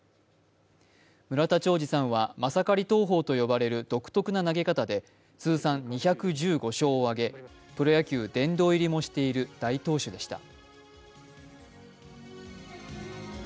村田兆治さんはマサカリ投法と呼ばれる独特の投げ方で通算２１５勝を挙げプロ野球殿堂入りもしている大投手でした。